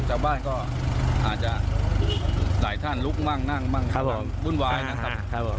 จากบ้านก็อาจจะหลายท่านลุกมั่งนั่งบุญวายนะครับ